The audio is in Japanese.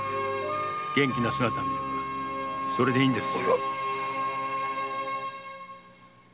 元気な姿見ればそれでいいんです。